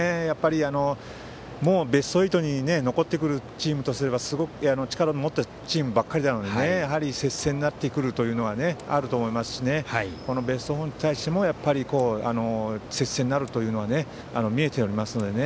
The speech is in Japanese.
もうベスト８に残ってくるチームとすれば力の持ったチームばかりなので接戦になってくるというのはあると思いますしベスト４に対しても接戦になるというのは見えていますので。